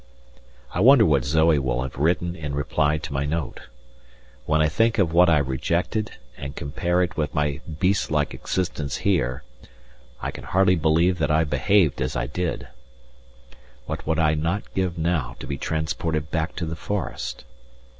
I wonder what Zoe will have written in reply to my note. When I think of what I rejected and compare it with my beast like existence here, I can hardly believe that I behaved as I did what would I not give now to be transported back to the forest!